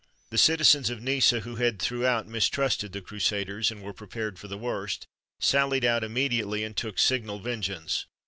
The citizens of Nissa, who had throughout mistrusted the Crusaders, and were prepared for the worst, sallied out immediately, and took signal vengeance.